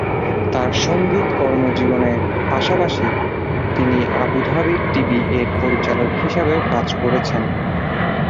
তার সংগীত কর্মজীবনের পাশাপাশি, তিনি আবুধাবি টিভি-এর পরিচালক হিসাবেও কাজ করেছেন।